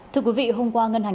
thưa quý vị hôm qua ngân hành